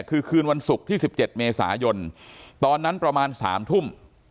คือคืนวันศุกร์ที่๑๗เมษายนตอนนั้นประมาณ๓ทุ่ม